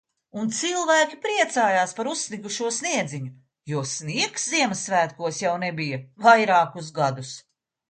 Un cilvēki priecājās par uzsnigušo sniedziņu. Jo sniegs Ziemassvētkos jau nebija vairākus gadus...